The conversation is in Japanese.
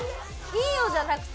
「いいよ」じゃなくて。